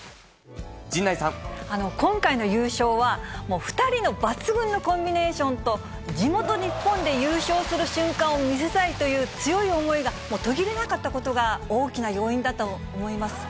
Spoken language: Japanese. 今回の優勝は、もう２人の抜群のコンビネーションと、地元、日本で優勝する瞬間を見せたいという強い思いが途切れなかったことが大きな要因だと思います。